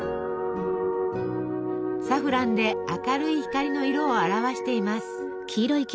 サフランで明るい光の色を表しています。